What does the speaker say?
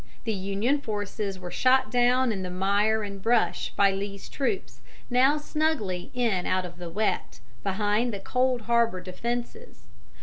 The Union forces were shot down in the mire and brush by Lee's troops, now snugly in out of the wet, behind the Cold Harbor defences.